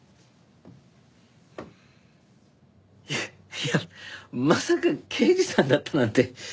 いやまさか刑事さんだったなんて。